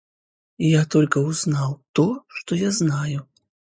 Я только узнал то, что я знаю.